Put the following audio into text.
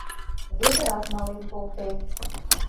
Вӧдырат мален колтен.